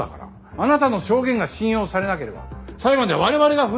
あなたの証言が信用されなければ裁判では我々が不利になる。